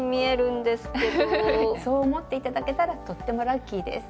そう思って頂けたらとってもラッキーです。